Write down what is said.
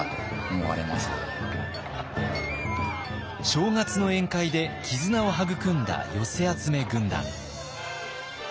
正月の宴会で絆を育んだ寄せ集め軍団。